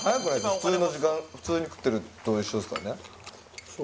普通の時間普通に食ってるのと一緒ですからね。